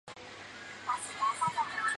延吉街道党建